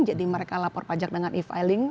jadi mereka lapor pajak dengan e filing